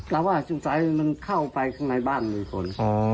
แต่ว่าสุดท้ายมันเข้าไปข้างในบ้านมีคน